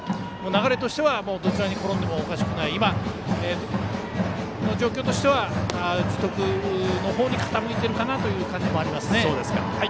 流れとしてはどちらに転んでもおかしくない今の状況としては樹徳のほうに傾いているかなという感じはありますね。